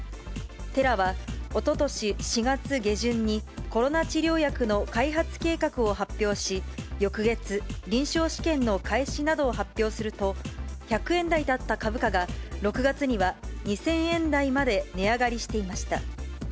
テラはおととし４月下旬に、コロナ治療薬の開発計画を発表し、翌月、臨床試験の開始などを発表すると、１００円台だった株価が、６月には２０００円台まで値上がりしていました。